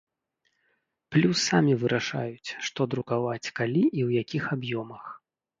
Плюс самі вырашаюць, што друкаваць, калі і ў якіх аб'ёмах.